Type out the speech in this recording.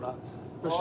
よし。